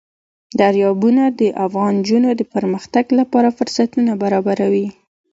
دریابونه د افغان نجونو د پرمختګ لپاره فرصتونه برابروي.